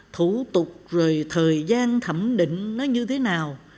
thủ tục rồi thời gian thẩm định nó như thế nào